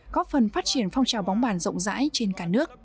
góp phần phát triển phong trào bóng bàn rộng rãi trên cả nước